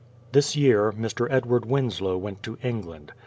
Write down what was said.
This year Mr. Edward Winslow went to England.